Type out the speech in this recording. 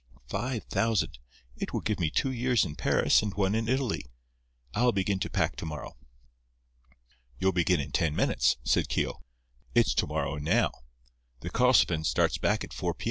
Five thousand! It will give me two years in Paris and one in Italy. I'll begin to pack to morrow." "You'll begin in ten minutes," said Keogh. "It's to morrow now. The Karlsefin starts back at four P.